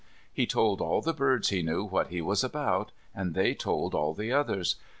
He told all the birds he knew what he was about, and they told all the others.